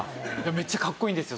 めっちゃかっこいいんですよ